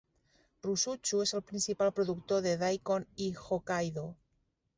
Rusutsu es el principal productor de Daikon i Hokkaido.